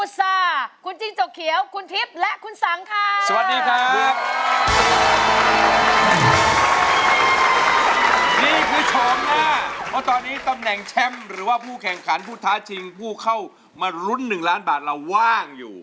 ป่าเขียวป่าเขียวบอกว่านี่งูกัดหรือเปล่า